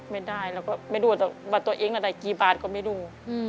ไม่ได้เราก็ไม่รู้ว่าตัวเองได้กี่บาทก็ไม่รู้